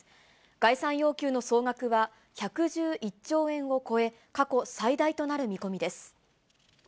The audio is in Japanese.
概算要求の総額は１１１兆円を超え、過去最大となる見込みです。